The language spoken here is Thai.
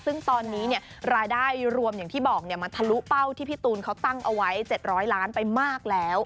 ซึ่งตอนนี้รายได้รวมอย่างที่บอกมันทะลุเป้าที่พี่ตูนเขาตั้งเอาไว้๗๐๐ล้านไปมากแล้ว